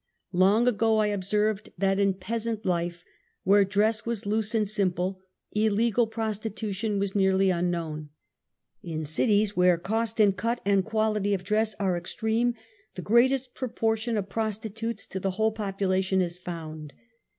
Long ago I observed that in peasant life, where dress Avas loose and simple, illegal prostitu tion was nearly unknovrn. In cities, where cost in cut and quality of dress are extreme, the greatest proportion of prostitutes to the whole population is found.